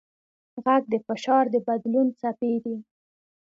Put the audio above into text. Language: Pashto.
غږ د فشار د بدلون څپې دي.